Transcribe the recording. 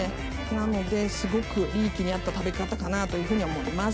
なのですごくリーキに合った食べ方かなぁというふうに思います。